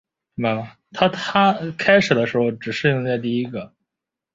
核质包括染色体和核仁。